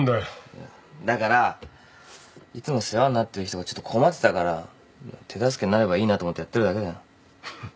いやだからいつも世話になってる人がちょっと困ってたから手助けになればいいなと思ってやってるだけだよ。